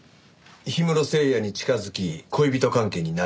氷室聖矢に近づき恋人関係になれと？